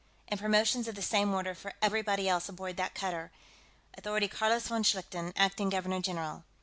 And promotions of the same order for everybody else aboard that cutter. Authority Carlos von Schlichten, acting Governor General."